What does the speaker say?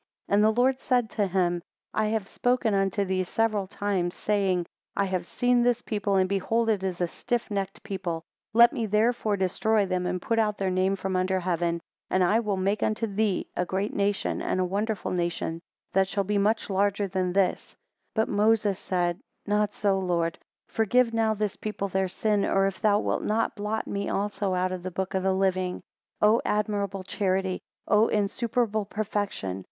12 And the Lord said unto him, I have spoken unto thee several times, saying, I have seen this people, and behold it is a stiff necked people: let me therefore destroy them, and put out their name from under heaven. And I will make unto thee a great and a wonderful nation, that shall be much larger than this. 13 But Moses said, Not so, Lord: Forgive now this people their sin; or if thou wilt not, blot me also out of the book of the living. O admirable charity! O insuperable perfection!